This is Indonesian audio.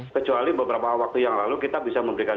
kecuali beberapa waktu yang lalu kita bisa memberikan